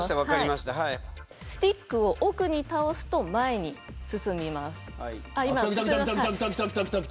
スティックを奥に倒すと前に進みます。